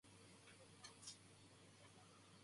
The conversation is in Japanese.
今朝ベッドの角に小指をぶつけました。